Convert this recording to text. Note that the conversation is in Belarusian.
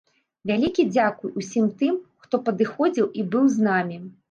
Вялікі дзякуй ўсім тым, хто падыходзіў і быў з намі!